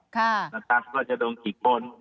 แล้วละครับก็จะโดนขิกต้น